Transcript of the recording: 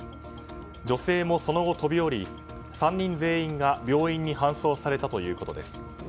女性もその後、飛び降り３人全員が病院に搬送されたということです。